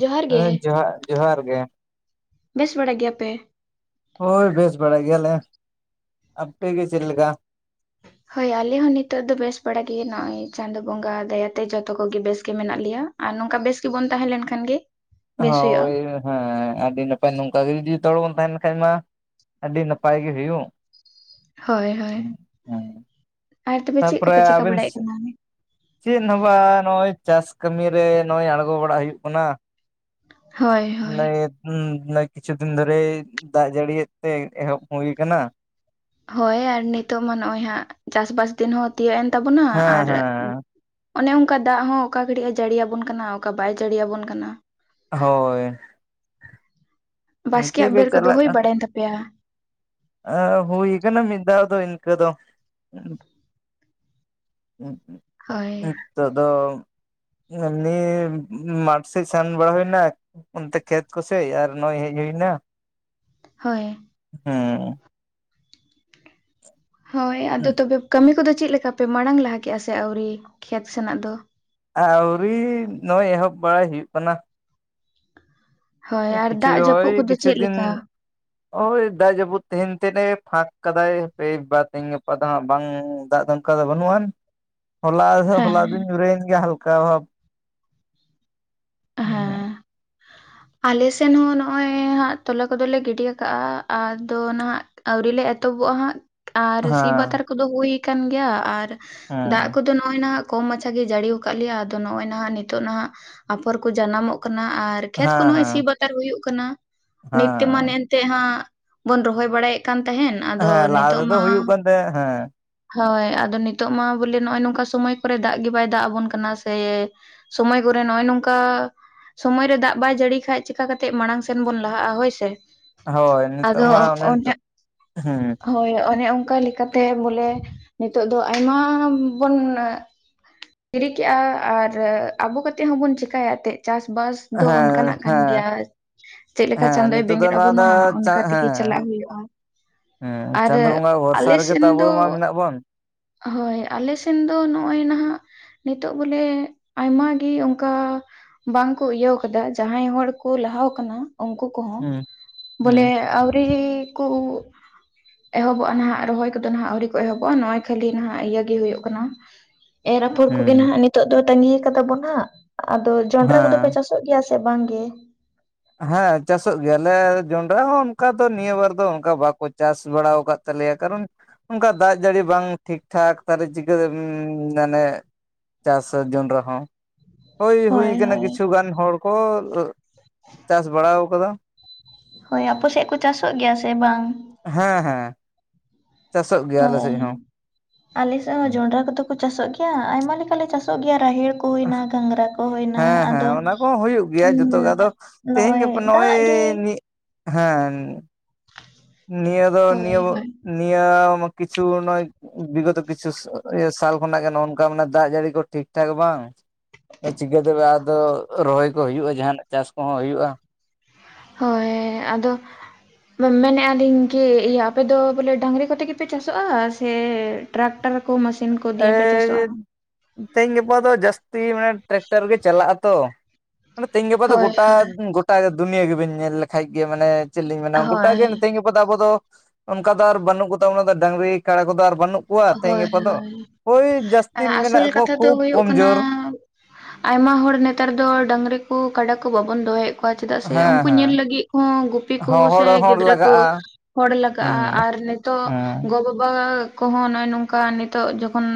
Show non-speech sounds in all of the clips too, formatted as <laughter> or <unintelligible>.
ᱡᱚᱦᱟᱨ ᱜᱮ ᱡᱚᱦᱟᱨ ᱡᱚᱦᱟᱨ ᱜᱮ᱾ ᱵᱮᱥ ᱵᱟᱲᱟ ᱜᱮᱭᱟᱯᱮ? ᱦᱳᱭ ᱵᱮᱥ ᱵᱟᱲᱟᱭ ᱜᱮᱭᱟᱞᱮ ᱟᱯᱮ ᱜᱮ ᱪᱮᱫ ᱞᱮᱠᱟ? ᱦᱳᱭ ᱟᱞᱮ ᱦᱚᱸ ᱱᱤᱛᱚᱜ ᱫᱚ ᱵᱮᱥ ᱵᱟᱲᱟ ᱜᱮ ᱱᱚᱜᱼᱚᱭ ᱪᱟᱸᱫᱚ ᱵᱚᱸᱜᱟ ᱫᱟᱭᱟᱛᱮ ᱡᱚᱛᱚ ᱠᱚᱜᱮ ᱵᱮᱥ ᱜᱮ ᱢᱮᱱᱟᱜ ᱞᱮᱭᱟ᱾ ᱟᱨ ᱱᱚᱝᱠᱟ ᱵᱮᱥ ᱜᱮᱵᱚᱱ ᱛᱟᱦᱮᱸ ᱞᱮᱱ ᱠᱷᱟᱱ ᱜᱮ ᱵᱮᱥ ᱦᱩᱭᱩᱜᱼᱟ᱾ ᱦᱳᱭ ᱦᱮᱸ ᱟᱹᱰᱤ ᱱᱟᱯᱟᱭ ᱱᱚᱝᱠᱟ ᱜᱮ ᱡᱩᱫᱤ ᱡᱚᱛᱚ ᱦᱚᱲ ᱵᱚᱱ ᱛᱟᱦᱮᱱ ᱠᱷᱟᱡ ᱢᱟ ᱟᱹᱰᱤ ᱱᱟᱯᱟᱭ ᱜᱮ ᱦᱩᱭᱩᱜ ᱦᱳᱭ ᱦᱳᱭ ᱦᱮᱸ ᱟᱨ ᱛᱚᱵᱮ ᱪᱮᱫ ᱛᱟᱯᱚᱨᱮ ᱠᱚᱯᱮ ᱪᱤᱠᱟᱹ ᱟᱹᱵᱤᱱᱼᱼ ᱵᱟᱲᱟᱭᱮᱫ ᱠᱟᱱᱟ? ᱪᱮᱫ ᱦᱚᱸ ᱵᱟ ᱱᱚᱜ- ᱚᱭ ᱪᱟᱥ ᱠᱟᱹᱢᱤ ᱨᱮ ᱱᱚᱜ-ᱚᱭ ᱟᱬᱜᱳ ᱵᱟᱲᱟ ᱦᱩᱭᱩᱜ ᱠᱟᱱᱟ᱾ ᱦᱳᱭ ᱦᱳᱭ ᱱᱚ ᱠᱤᱪᱷᱩ ᱫᱤᱱ ᱫᱷᱚᱨᱮ ᱫᱟᱜ ᱡᱟᱹᱲᱤᱭ ᱛᱮ ᱮᱦᱚᱵ ᱦᱩᱭᱩ ᱟᱠᱟᱱᱟ᱾ ᱦᱳᱭ ᱟᱨ ᱱᱤᱛᱚᱜ ᱢᱟ ᱱᱚᱜᱼᱚᱭ ᱦᱟᱸᱜ ᱪᱟᱥᱵᱟᱥ ᱫᱤᱱ ᱦᱚᱸ ᱛᱤᱭᱳᱜ ᱮᱱ ᱛᱟᱵᱚᱱᱟ ᱦᱮᱸ ᱟᱨ ᱼᱼ ᱦᱮᱸ ᱚᱱᱮ ᱚᱱᱠᱟ ᱫᱟᱜ ᱦᱚᱸ ᱚᱠᱟ ᱜᱷᱟᱹᱲᱤᱡ ᱮ ᱡᱟᱹᱲᱤᱭᱟᱵᱚᱱ ᱠᱟᱱᱟ ᱚᱠᱟ ᱵᱟᱭ ᱡᱟᱹᱲᱤᱭᱟᱵᱚᱱ ᱠᱟᱱᱟ᱾ ᱦᱳᱭ ᱤᱱᱠᱟᱹ ᱵᱟᱥᱠᱮᱭᱟᱜ ᱜᱮ ᱵᱮᱨ ᱠᱚᱫᱚ ᱦᱩᱭ ᱵᱟᱲᱟᱭᱮᱱ ᱛᱟᱯᱮᱭ? ᱟ ᱦᱩᱭ ᱠᱟᱱᱟ ᱢᱤᱫ ᱫᱟᱣ ᱫᱚ ᱤᱱᱠᱟᱹ ᱫᱚ ᱦᱳᱭ ᱱᱤᱛᱚᱜ ᱫᱚᱼᱼ ᱮᱢᱱᱤ ᱢᱟᱴᱷ ᱥᱮᱫ ᱥᱮᱱ ᱵᱟᱲᱟ ᱦᱩᱭᱱᱟ᱾ ᱚᱱᱛᱮ ᱠᱷᱮᱛ ᱠᱚᱥᱮᱡ ᱟᱨ ᱱᱚᱜᱼᱚᱭ ᱦᱮᱡ ᱦᱩᱭ ᱮᱱᱟ᱾ ᱦᱳᱭ ᱦᱩᱸᱻ ᱦᱳᱭ ᱟᱫᱚ ᱛᱚᱵᱮ ᱠᱟᱹᱢᱤ ᱠᱚᱫᱚ ᱪᱮᱫ ᱞᱮᱠᱟᱯᱮ ᱢᱟᱲᱟᱝ ᱞᱟᱦᱟ ᱠᱮᱫᱼᱟ ᱥᱮ ᱟᱹᱣᱨᱤ ᱠᱷᱮᱛ ᱥᱮᱱᱟᱜ ᱫᱚ? ᱟᱹᱣᱨᱤ ᱱᱚᱜᱼᱚᱭ ᱮᱦᱚᱵ ᱵᱟᱲᱟᱭ ᱦᱩᱭᱩᱜ ᱠᱟᱱᱟ᱾ ᱦᱳᱭ ᱟᱨ ᱫᱟᱜ ᱡᱟᱹᱯᱩᱫ ᱨᱚᱦᱚᱭ ᱠᱚᱫᱚ ᱠᱤᱪᱩ ᱪᱮᱫ ᱫᱤᱱ ᱞᱮᱠᱟ? ᱦᱳᱭ ᱫᱟᱜ ᱡᱟᱹᱯᱩ ᱛᱮᱦᱮᱱ ᱛᱮᱫ ᱮ ᱯᱷᱟᱸᱠ ᱠᱟᱫᱟᱭ ᱦᱟᱯᱮ ᱵᱟᱨᱫᱤᱱ ᱜᱟᱯᱟ ᱫᱚ ᱦᱟᱜ ᱵᱟᱝ ᱫᱟᱜ ᱫᱚᱼᱼ ᱚᱱᱠᱟ ᱫᱚ ᱵᱟᱹᱱᱩᱜ ᱟᱱ ᱦᱚᱞᱟ ᱦᱚᱞᱟ ᱦᱮᱸ ᱫᱤᱱ ᱧᱩᱨᱟᱹᱭᱮᱱ ᱜᱮᱭᱟ ᱦᱟᱞᱠᱟ ᱵᱷᱟᱵ᱾ ᱦᱮᱸ ᱦᱮᱸᱻ <inaudible> ᱟᱞᱮ ᱥᱮᱱ ᱦᱚᱸ ᱱᱚᱜᱼᱚᱭ ᱦᱟᱸᱜ ᱛᱚᱞᱟ ᱠᱚᱫᱚᱞᱮ ᱜᱤᱰᱤ ᱟᱠᱟᱟᱜᱼᱟ ᱟᱫᱚ ᱱᱟᱦᱟᱜᱼᱼ ᱟᱹᱣᱨᱤ ᱞᱮ ᱮᱛᱚᱦᱚᱵᱚᱜᱼᱟ ᱦᱟᱸᱜᱼᱼ ᱟᱨ ᱥᱤ ᱦᱮᱸ ᱵᱟᱛᱟᱨ ᱠᱚᱫᱚ ᱦᱩᱭ ᱟᱠᱟᱱ ᱜᱮᱭᱟ ᱟᱨ ᱫᱟᱜ ᱦᱮᱸ ᱠᱚᱫᱚᱼᱼ ᱱᱚᱜᱚᱭ ᱱᱟᱜ ᱠᱚᱢ ᱢᱟᱪᱷᱟ ᱜᱮ ᱡᱟᱹᱲᱤᱣᱟ ᱟᱠᱟᱫ ᱞᱮᱭᱟ ᱟᱫᱚ ᱱᱚᱜᱼᱚᱭ ᱱᱟᱦᱟᱜ ᱱᱤᱛᱚᱜ ᱱᱟᱦᱟᱜᱼᱼ ᱯᱚᱨ ᱠᱚ ᱡᱟᱱᱟᱢᱚᱜ ᱠᱟᱱᱟ ᱟᱨ ᱠᱷᱮᱛ ᱠᱚ ᱱᱚᱜᱚᱭ ᱥᱤ ᱦᱮᱸ ᱵᱟᱛᱟᱨ ᱦᱩᱭᱩᱜ ᱠᱟᱱᱟ ᱱᱤᱛ ᱛᱮᱢᱟᱼᱼ ᱦᱮᱸ ᱛᱮᱜ ᱦᱟᱸᱜ ᱵᱚᱱ ᱨᱚᱦᱚᱭ ᱵᱟᱲᱟᱭᱮᱫ ᱠᱟᱱ ᱛᱟᱦᱮᱸᱱ ᱦᱮᱸ ᱟᱫᱚ ᱞᱟᱦᱟ ᱱᱤᱛᱳᱜ ᱛᱮᱫᱚ ᱢᱟᱼᱼ ᱦᱩᱭᱩᱜ ᱠᱟᱱ ᱛᱟᱦᱮᱸ ᱦᱮᱸ ᱦᱳᱭ ᱟᱫᱚ ᱱᱤᱛᱚᱜ ᱢᱟ ᱵᱚᱞᱮ ᱱᱚᱜᱼᱚᱭ ᱱᱚᱝᱠᱟ ᱥᱚᱢᱚᱭ ᱠᱚᱨᱮ ᱫᱟᱜ ᱜᱮ ᱵᱟᱭ ᱫᱟᱜ ᱟᱵᱚᱱ ᱠᱟᱱᱟ ᱥᱮ ᱥᱚᱢᱚᱭ ᱠᱚᱨᱮ ᱱᱚᱜᱼᱚᱭ ᱱᱚᱝᱠᱟ ᱚᱱᱠᱟ ᱥᱚᱢᱚᱭᱨᱮ ᱫᱟᱜ ᱵᱟᱭ ᱡᱟᱹᱲᱤ ᱠᱷᱟᱡ ᱪᱮᱠᱟ ᱠᱟᱛᱮᱜ ᱢᱟᱲᱟᱝ ᱥᱮᱱ ᱵᱚᱱ ᱞᱟᱦᱟᱜᱼᱟ ᱦᱳᱭ ᱥᱮ ᱦᱳᱭ ᱱᱤᱛᱚᱜ ᱢᱟ ᱚᱱᱮ ᱛᱚ ᱦᱩᱸᱼᱼ ᱦᱳᱭ ᱚᱱᱮ ᱚᱱᱠᱟ ᱞᱮᱠᱟᱛᱮ ᱵᱚᱞᱮ ᱱᱤᱛᱚᱜ ᱫᱚ ᱟᱭᱢᱟ ᱵᱚᱱ ᱠᱤᱨᱤ ᱠᱮᱜᱼᱟ ᱟᱨ ᱟᱵᱚ ᱠᱟᱛᱮᱫ ᱦᱚᱸ ᱵᱚᱱ ᱪᱮᱠᱟᱭᱟ ᱮᱱᱛᱮᱫ ᱪᱟᱥ ᱵᱟᱥ᱾ ᱫᱚ ᱚᱱᱠᱟᱱᱟᱜ ᱠᱟᱱ ᱦᱮᱸ ᱜᱮᱭᱟ᱾ ᱪᱮᱫ ᱞᱮᱠᱟ ᱦᱮᱸ ᱪᱟᱸᱫᱳᱭ ᱱᱤᱛᱚᱜ ᱫᱚ ᱵᱮᱸᱜᱮᱫ ᱱᱚᱣᱟ ᱫᱚ ᱟᱵᱚᱱᱟ ᱪᱟ ᱚᱱᱠᱟ ᱛᱮᱜᱮ ᱦᱮᱸ ᱪᱟᱞᱟᱜ ᱦᱩᱭᱩᱜᱼᱟ᱾ ᱦᱮᱸ ᱟᱨ ᱪᱟᱸᱫ ᱵᱚᱸᱜᱟ ᱵᱷᱚᱨᱥᱟ ᱟᱞᱮ ᱨᱮᱜᱮ ᱛᱚ ᱥᱮᱱ ᱟᱵᱚ ᱢᱟ ᱫᱚ ᱢᱮᱱᱟᱜ ᱵᱚᱱ ᱦᱳᱭ ᱟᱞᱮᱥᱮᱱ ᱫᱚ ᱱᱚᱜᱼᱚᱭ ᱱᱟᱦᱟᱜ ᱱᱤᱛᱚᱜ ᱵᱚᱞᱮ ᱟᱭᱢᱟᱜ ᱜᱮ ᱚᱱᱠᱟ ᱵᱟᱝᱠᱩ ᱤᱭᱟᱹᱣ ᱟᱠᱟᱫᱟ ᱡᱟᱦᱟᱸᱭ ᱦᱚᱲᱠᱚ ᱞᱟᱦᱟ ᱟᱠᱟᱱᱟ ᱩᱱᱠᱩ ᱠᱚ ᱦᱩᱸ ᱵᱚᱞᱮ ᱦᱩᱸ ᱟᱹᱣᱨᱤ ᱠᱚ ᱮᱦᱚᱵᱚᱜᱼᱟ ᱱᱟᱦᱟᱜ ᱨᱚᱦᱚᱭ ᱠᱚᱫᱚ ᱱᱟᱦᱟᱜ ᱟᱹᱣᱨᱤ ᱠᱚ ᱮᱦᱚᱵᱚᱜᱼᱟ ᱱᱚᱜᱼᱚᱭ ᱠᱷᱟᱹᱞᱤ ᱱᱟᱦᱟᱜ ᱤᱭᱟᱹ ᱜᱮ ᱦᱩᱭᱩᱜ ᱠᱟᱱᱟ ᱮᱨ ᱟᱯᱷᱚᱨ ᱠᱚᱜᱮ ᱦᱩᱸ ᱱᱟᱦᱟᱜ ᱱᱤᱛᱚᱜ ᱫᱚ ᱛᱟᱺᱜᱤ ᱟᱠᱟᱫᱟ ᱵᱚᱱ ᱦᱟᱜ ᱟᱫᱚ ᱡᱚᱱᱰᱨᱟ ᱦᱮᱸ ᱠᱚᱫᱚᱯᱮ ᱪᱟᱥ ᱚᱜ ᱜᱮᱭᱟ ᱥᱮ ᱵᱟᱝ ᱜᱮ᱾ ᱦᱮᱸ ᱪᱟᱥᱚᱜ ᱜᱮᱭᱟᱞᱮ ᱡᱚᱱᱰᱨᱟ ᱦᱚᱸ ᱚᱱᱠᱟ ᱫᱚ ᱱᱤᱭᱟᱹ ᱵᱟᱨ ᱫᱚ ᱚᱱᱠᱟ ᱵᱟᱠᱚ ᱪᱟᱥ ᱵᱟᱲᱟ ᱟᱠᱟᱫ᱾ ᱛᱟᱞᱮᱭᱟ ᱠᱟᱨᱚᱱ ᱚᱱᱠᱟ ᱫᱟᱜ ᱡᱟᱹᱲᱤ ᱵᱟᱝ ᱴᱷᱤᱠ ᱴᱷᱟᱠ ᱛᱟᱦᱚᱞᱮ ᱪᱤᱠᱟᱹ ᱢᱟᱱᱮ ᱪᱟᱥ ᱟ ᱡᱚᱱᱰᱨᱟ ᱦᱚᱸ ᱦᱳᱭ ᱦᱩᱭ ᱟᱠᱟᱱᱟ ᱠᱤᱪᱷᱩᱜᱟᱱ ᱦᱚᱲ ᱠᱚ ᱪᱟᱥ ᱵᱟᱲᱟᱟᱣ ᱠᱟᱫᱟ ᱦᱳᱭ ᱟᱯᱮ ᱥᱮᱫ ᱠᱚ ᱪᱟᱥᱚᱜ ᱜᱮᱭᱟ ᱥᱮ ᱵᱟᱝ? ᱦᱮᱸ ᱦᱮᱸ᱾ ᱪᱟᱥᱚᱜ ᱜᱮᱭᱟ ᱟᱞᱮ ᱦᱳᱭ ᱥᱮᱫ ᱦᱚᱸ ᱟᱞᱮ ᱥᱮᱫ ᱦᱚᱸ ᱡᱚᱱᱰᱨᱟ ᱠᱚᱫᱚ ᱪᱟᱥᱚᱜ ᱜᱮᱭᱟ ᱟᱭᱢᱟ ᱞᱮᱠᱟ ᱞᱮ ᱪᱟᱥᱚᱜ ᱜᱮᱭᱟ ᱨᱟᱦᱮᱲ ᱠᱚ ᱦᱩᱭᱮᱱᱟ ᱜᱷᱟᱝᱽᱨᱟ ᱠᱚ ᱦᱩᱭᱱᱟ ᱦᱮᱸ ᱦᱮᱸ ᱟᱫᱚ ᱚᱱᱟ ᱠᱚᱦᱚᱸ ᱦᱩᱭᱩᱜ ᱜᱮᱭᱟ ᱦᱩᱸ ᱡᱚᱛᱚ ᱜᱮ ᱟᱫᱚ ᱛᱮᱦᱮᱧ ᱱᱚᱜᱼᱚᱭ ᱜᱟᱯᱟ ᱫᱟᱜ ᱱᱚᱜᱼᱚᱭ ᱜᱮ ᱦᱮᱸ᱾ ᱱᱤᱭᱟᱹ ᱫᱚ ᱦᱳᱭ ᱱᱤᱭᱟᱹ, ᱦᱳᱭ ᱱᱤᱭᱟᱹ ᱠᱤᱪᱷᱩ ᱱᱚ ᱵᱤᱜᱚᱛᱚ ᱠᱤᱪᱷᱩ ᱥᱟᱞ ᱠᱷᱚᱱᱟᱜ ᱜᱮ ᱱᱚᱜ ᱱᱚᱝᱠᱟ ᱢᱮᱱᱟ ᱫᱟᱜ ᱡᱟᱹᱲᱤ ᱠᱚ ᱴᱷᱤᱠ ᱴᱷᱟᱠ ᱵᱟᱝ᱾ ᱟ ᱪᱤᱠᱟᱹᱛᱮ ᱟᱫᱚ ᱨᱚᱦᱚᱭ ᱠᱚ ᱦᱩᱭᱩᱜᱼᱟ ᱡᱟᱦᱟᱱᱟᱜ ᱪᱟᱥ ᱠᱚᱦᱚᱸ ᱦᱩᱭᱩᱜᱼᱟ᱾ ᱦᱳᱭ ᱟᱫᱚ ᱢᱮᱱᱮᱫᱼᱟ ᱟᱞᱤᱧ ᱠᱤ ᱤᱭᱟᱹ ᱟᱯᱮ ᱫᱚ ᱵᱚᱞᱮ ᱰᱟᱹᱟᱝᱨᱤ ᱠᱚᱛᱮ ᱜᱮᱯᱮ ᱪᱟᱥᱚᱜᱼᱟ ᱥᱮ ᱴᱨᱟᱠᱴᱟᱨ ᱠᱚ ᱢᱟ. ᱥᱤᱱ ᱠᱚ ᱮᱻ ᱫᱤᱭᱮ ᱯᱮ ᱪᱟᱥᱚᱜᱼᱟ? ᱛᱮᱦᱮᱧ ᱜᱟᱯᱟ ᱫᱚ ᱡᱟᱹᱥᱛᱤ ᱢᱟᱱᱮ ᱴᱨᱟᱠᱴᱟᱨ ᱜᱮ ᱪᱟᱞᱟᱜ ᱟᱛᱚ᱾ ᱢᱟᱱᱮ ᱛᱮᱦᱮᱧ ᱜᱟᱯᱟ ᱫᱚ ᱦᱳᱭ ᱜᱚᱴᱟ, ᱦᱳᱭ ᱜᱚᱴᱟ ᱫᱩᱱᱭᱟᱹ ᱜᱮᱵᱮᱱ ᱧᱮᱞ ᱞᱮᱠᱷᱟᱡ ᱜᱮ ᱢᱟᱱᱮ ᱪᱮᱫ ᱞᱤᱧ ᱢᱮᱱᱟ ᱜᱚᱴᱟᱜ ᱦᱳᱭ ᱜᱮ ᱛᱮᱦᱮᱧ ᱜᱟᱯᱟ ᱫᱚ ᱟᱵᱚ ᱫᱚ ᱚᱱᱠᱟ ᱫᱚ ᱟᱨ ᱵᱟᱹᱱᱩᱜ ᱠᱚ ᱛᱟᱵᱚᱱᱟ ᱰᱟᱹᱝᱨᱤ ᱠᱟᱲᱟ ᱠᱚᱫᱚ ᱟᱨ ᱵᱟᱹᱱᱩᱜ ᱠᱚ ᱠᱚᱣᱟ ᱛᱮᱦᱮᱧ ᱦᱳᱭ ᱜᱟᱯᱟ ᱫᱚ ᱦᱳᱭ ᱦᱳᱭ ᱡᱟᱹᱥᱛᱤ ᱟᱥᱚᱞ ᱢᱮᱱᱟᱜ ᱠᱚᱣᱟ ᱠᱟᱛᱷᱟ ᱫᱚ ᱠᱷᱩᱵ ᱦᱩᱭᱩᱜ ᱠᱚᱢ ᱠᱟᱱᱟ ᱡᱳᱨ ᱟᱭᱢᱟ ᱦᱚᱲ ᱱᱮᱛᱟᱨ ᱫᱚ ᱰᱟᱹᱟᱝᱨᱤ ᱠᱚ ᱠᱟᱰᱟ ᱠᱚ ᱵᱟᱵᱚᱱ ᱫᱚᱦᱚᱭᱮᱫ ᱠᱚ ᱣᱟ ᱪᱮᱫᱟᱜ ᱥᱮ ᱦᱮᱸ ᱩᱱᱠᱩ ᱧᱮᱞ ᱦᱮᱸ ᱞᱟᱹᱜᱤᱫ ᱦᱚᱸ ᱜᱩᱯᱤ ᱠᱚ ᱦᱚᱲ ᱥᱮ ᱦᱚᱲ ᱜᱤᱫᱽᱨᱟᱹ ᱠᱚ ᱞᱟᱜᱟᱜᱼᱟ ᱦᱚᱲ ᱞᱟᱜᱟᱜᱼᱟ ᱦᱩᱸ ᱟᱨ ᱱᱤᱛᱚᱜ ᱦᱮᱸ ᱜᱚ ᱵᱟᱵᱟ ᱠᱚᱦᱚᱸ ᱱᱚᱜᱼᱚᱭ ᱱᱚᱝᱠᱟ ᱱᱤᱛᱚᱜ ᱡᱚᱠᱷᱚᱱ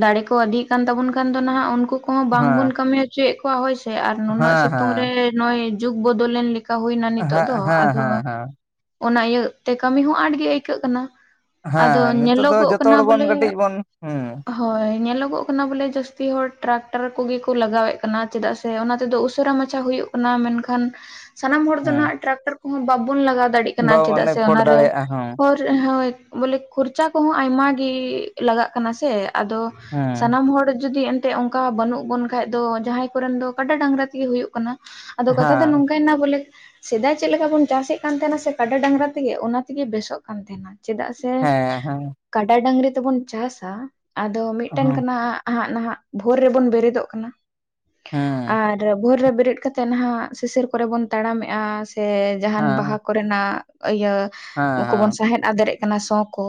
ᱫᱟᱲᱮ ᱠᱚ ᱤᱫᱤᱜ ᱠᱟᱱ ᱛᱟᱵᱚᱱ ᱠᱷᱟᱱ ᱫᱚ ᱱᱟᱦᱟᱜ ᱩᱱᱠᱩ ᱠᱚᱦᱚᱸ ᱵᱟᱝᱵᱚᱱ ᱦᱮᱸ ᱠᱟᱹᱢᱤ ᱦᱚᱪᱚᱭᱮᱫ ᱠᱚᱣᱟ ᱦᱳᱭ ᱥᱮ, ᱟᱨ ᱱᱩᱱᱟᱹᱜ ᱦᱮᱸ ᱦᱮᱸ ᱥᱤᱛᱩᱝ ᱨᱮ ᱦᱮᱸ ᱱᱚᱜᱚᱭ ᱡᱩᱜ ᱵᱚᱫᱚᱞᱱ ᱞᱮᱠᱟ ᱪᱠᱟ ᱦᱩᱭᱮᱱᱟ ᱱᱤᱛᱚᱜ ᱫᱚ ᱦᱮᱸ ᱟᱫᱚ ᱦᱮᱸ ᱦᱮᱸ ᱚᱱᱟ ᱤᱭᱟᱹ ᱛᱮ ᱠᱟᱹᱢᱤ ᱦᱚᱸ ᱟᱸᱴ ᱜᱮ ᱟᱹᱭᱠᱟᱹᱜ ᱠᱟᱱᱟ᱾ ᱟᱫᱚ ᱦᱮᱸ ᱱᱤᱛᱚᱜ ᱫᱚ ᱧᱮᱞᱚᱜᱚᱜ ᱡᱚᱛᱚ ᱠᱟᱱᱟ ᱦᱚᱲ ᱵᱚᱱ ᱵᱚᱞᱮ ᱠᱟᱹᱴᱤᱡ ᱵᱚᱱ ᱦᱮᱸ ᱦᱳᱭ ᱧᱮᱞᱚᱜᱚᱜ ᱠᱟᱱᱟ ᱵᱚᱞᱮ ᱡᱟᱹᱥᱛᱤ ᱦᱚᱲ ᱴᱨᱟᱠᱴᱟᱨ ᱠᱚᱜᱮ ᱠᱚ ᱞᱟᱜᱟᱣᱮᱫ ᱠᱟᱱᱟ ᱪᱮᱫᱟᱜ ᱥᱮ ᱚᱱᱟ ᱛᱮᱫᱚ ᱩᱥᱟᱹᱨᱟ ᱢᱟᱪᱷᱟ ᱦᱩᱭᱩᱜ ᱠᱟᱱᱟ ᱢᱮᱱᱠᱷᱟᱱ ᱥᱟᱱᱟᱢ ᱦᱚᱲ ᱫᱚ ᱦᱮᱸ ᱱᱟᱜ ᱴᱨᱟᱠᱴᱟᱨ ᱠᱚᱦᱚᱸ ᱵᱟᱵᱚᱱ ᱞᱟᱜᱟᱣ ᱫᱟᱲᱭᱟᱜ ᱠᱟᱱᱟ ᱵᱟᱝ ᱪᱮᱫᱟᱜ ᱚᱱᱮ ᱥᱮ ᱯᱷᱳᱴ ᱚᱱᱟᱨᱮ ᱫᱟᱲᱮᱭᱟᱜᱼᱟ ᱦᱚᱸ ᱠᱷᱚᱨ ᱦᱳᱭ ᱵᱚᱞᱮ ᱠᱷᱚᱨᱪᱟ ᱠᱚᱦᱚᱸ ᱟᱭᱢᱟ ᱜᱮ ᱞᱟᱜᱟᱜ ᱠᱟᱱᱟ ᱥᱮ ᱟᱫᱚ ᱦᱮᱸ ᱥᱟᱱᱟᱢ ᱦᱚᱲ ᱡᱩᱫᱤ ᱛᱮ ᱚᱱᱠᱟ ᱵᱟᱹᱱᱩᱜ ᱵᱚᱱ ᱠᱷᱟᱡ ᱫᱚ ᱡᱟᱦᱟᱸᱭ ᱠᱚᱨᱮᱱ ᱫᱚ ᱠᱟᱰᱟ ᱰᱟᱝᱨᱟ ᱛᱮᱜᱮ ᱦᱩᱭᱩᱜ ᱠᱟᱱᱟ᱾ ᱟᱫᱚ ᱠᱟᱛᱷᱟ ᱫᱚ ᱦᱮᱸ ᱱᱚᱝᱠᱟ ᱭᱮᱱᱟ ᱵᱚᱞᱮ ᱥᱮᱫᱟᱭ ᱪᱮᱫ ᱞᱮᱠᱟ ᱵᱚᱱ ᱪᱟᱥᱮᱫ ᱠᱟᱱ ᱛᱟᱦᱮᱱᱟ ᱥᱮ ᱠᱟᱰᱟ ᱰᱟᱝᱨᱟ ᱛᱮᱜᱮ ᱚᱱᱟ ᱛᱮᱜᱮ ᱵᱮᱥᱚᱜ ᱠᱟᱱ ᱛᱟᱦᱮᱱᱟ᱾ ᱪᱮᱫᱟᱜ ᱥᱮ ᱥᱮ ᱦᱮᱸ ᱦᱮᱸ ᱠᱟᱰᱟ ᱰᱟᱹᱟᱝᱨᱤ ᱛᱮᱵᱚᱱ ᱪᱟᱥᱟ ᱟᱫᱚ ᱢᱤᱫᱴᱮᱱ ᱦᱮᱸ ᱠᱟᱱᱟ ᱦᱟᱜ ᱱᱟᱦᱟᱜ ᱵᱷᱳᱨ ᱨᱮᱵᱚᱱ ᱵᱮᱨᱮᱫᱚᱜ ᱠᱟᱱᱟ᱾ ᱦᱮᱸ ᱟᱨ ᱵᱷᱳᱨ ᱨᱮ ᱵᱮᱨᱮᱫ ᱠᱟᱹᱛᱮ ᱱᱟᱦᱟᱜ ᱥᱤᱥᱤᱨ ᱠᱚᱨᱮ ᱵᱚᱱ ᱛᱟᱲᱟᱢᱮᱜᱼᱟ ᱥᱮ ᱡᱟᱦᱟᱱ ᱵᱟᱦᱟ ᱦᱮᱸ ᱠᱚᱨᱮᱱᱟᱜ ᱤᱭᱟᱹ ᱦᱮᱸ᱾ ᱠᱚᱵᱚᱱ ᱥᱟᱦᱮᱫ ᱟᱫᱮᱨᱮᱜ ᱠᱟᱱᱟ ᱥᱚᱸ ᱠᱚ